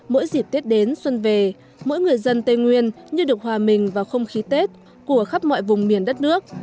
mỗi dịp tết đến xuân về mỗi người dân tây nguyên như được hòa mình vào không khí tết của khắp mọi vùng miền đất nước